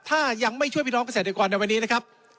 ถ้ายังไม่ช่วยพี่น้องเกษตรกรในวันนี้นะครับ